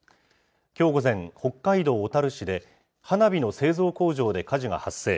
きょう午前、北海道小樽市で、花火の製造工場で火事が発生。